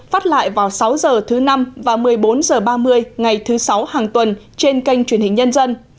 phát lại vào sáu h thứ năm và một mươi bốn h ba mươi ngày thứ sáu hàng tuần trên kênh truyền hình nhân dân